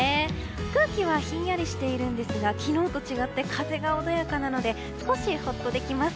空気はひんやりしているんですが昨日と違って風が穏やかなので少しほっとできます。